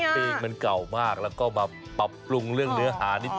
เพลงมันเก่ามากแล้วก็มาปรับปรุงเรื่องเนื้อหานิดน